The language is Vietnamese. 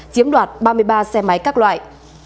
chiếm đoạt ba mươi ba xe máy các loại